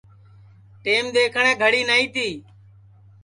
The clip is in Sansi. ٹیم دؔیکھٹؔے گھڑی نائی تی